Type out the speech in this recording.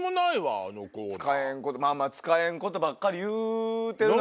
まぁまぁ使えんことばっかり言うてるのは。